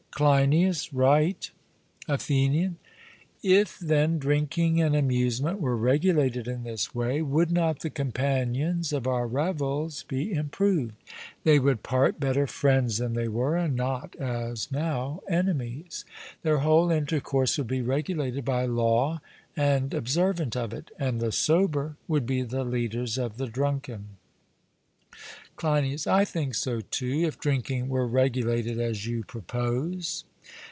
CLEINIAS: Right. ATHENIAN: If, then, drinking and amusement were regulated in this way, would not the companions of our revels be improved? they would part better friends than they were, and not, as now, enemies. Their whole intercourse would be regulated by law and observant of it, and the sober would be the leaders of the drunken. CLEINIAS: I think so too, if drinking were regulated as you propose.